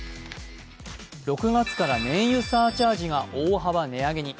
６月から燃油サーチャージが大幅値上げに。